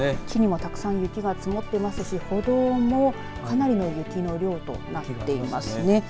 木にもたくさん雪が積もっていますし歩道もかなりに雪の量となっていますね。